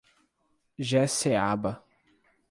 Jeceaba